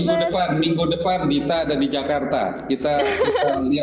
minggu depan minggu depan dita ada di jakarta